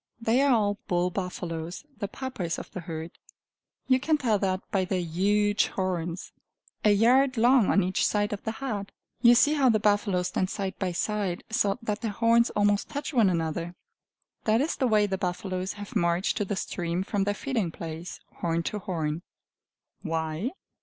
They are all bull buffaloes, the Papas of the herd; you can tell that by their huge horns, a yard long on each side of the head. You see how the buffaloes stand side by side, so that their horns almost touch one another. That is the way the buffaloes have marched to the stream from their feeding place horn to horn. Why?